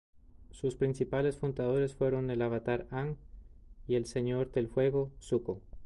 Sus principales fundadores fueron el Avatar Aang y el Señor del Fuego Zuko.